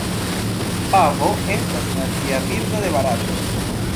Pavo estas la nacia birdo de Barato.